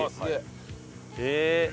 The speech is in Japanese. へえ！